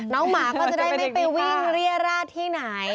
หมาก็จะได้ไม่ไปวิ่งเรียราชที่ไหน